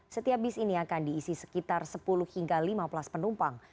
setiap bis ini akan diisi sekitar sepuluh hingga lima belas penumpang